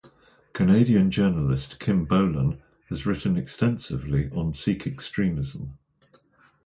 Canadian journalist Kim Bolan has written extensively on Sikh extremism.